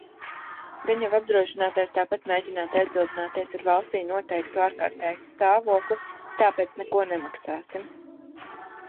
Gan jau apdrošinātājs tāpat mēģinātu aizbildināties ar "valstī noteiktu ārkārtēju stāvokli", tāpēc "neko nemaksāsim".